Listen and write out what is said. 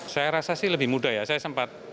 saya rasa sih lebih mudah ya saya sempat